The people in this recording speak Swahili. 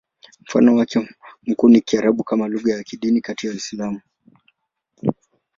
Mfano wake mkuu ni Kiarabu kama lugha ya kidini kati ya Waislamu.